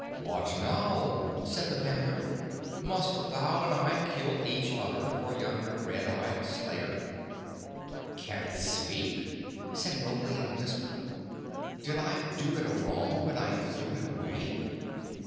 "What now?" said the panther. "Must thou and I kill each other for yonder red eyed slayer?" "Can it speak?" said Mowgli, in a whisper. "Did I do it a wrong when I threw it away?